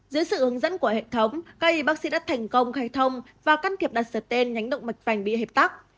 dưới sự hướng dẫn của hệ thống các y bác sĩ đã thành công khai thông và can thiệp đặt sở tên nhánh động mạch vành bị hẹp tắt